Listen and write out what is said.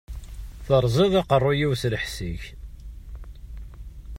Teṛṛẓiḍ-d aqeṛṛu-yiw s lḥess-ik!